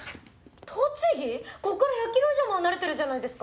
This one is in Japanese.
こっから１００ｋｍ以上も離れてるじゃないですか。